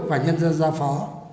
và nhân dân gia phó